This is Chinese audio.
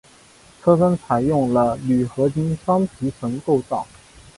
车身采用了铝合金双皮层构造。